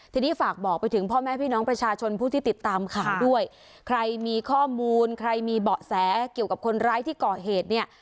ทีนี้ฝากบอกไปถึงพ่อแม่พี่น้องประชาชนผู้ที่ติดตามข่าวด้วยใครมีข้อมูลใครมีเบาะแสเกี่ยวกับคนร้ายที่ก่อเหตุเนี่ย